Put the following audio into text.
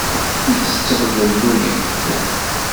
Ur tettemlelluyemt.